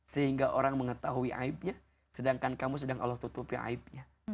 sehingga orang mengetahui aibnya sedangkan kamu sedang allah tutupi aibnya